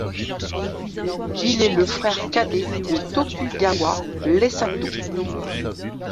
Il est le frère cadet de Tokugawa Iesato.